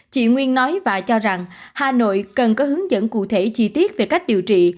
chị nguyên nói và cho rằng hà nội cần có hướng dẫn cụ thể chi tiết về cách điều trị